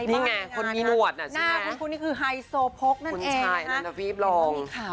นี่ไงคนนี่มีนวดหน่ะจริงนะ